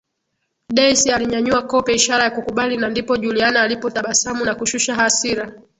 Daisy alinyanyua kope ishara ya kukubali na ndipo Juliana alipotabasamu na kushusha hasira